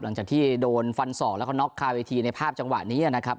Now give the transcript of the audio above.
หลังจากที่โดนฟันศอกแล้วก็น็อกคาเวทีในภาพจังหวะนี้นะครับ